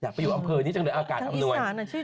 ไปอยู่อำเภอนี้จังเลยอากาศอำนวย